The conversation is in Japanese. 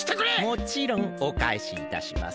もちろんおかえしいたします。